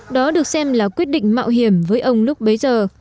đó được xem là quyết định mạo hiểm với ông lúc bấy giờ